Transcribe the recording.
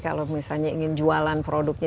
kalau misalnya ingin jualan produknya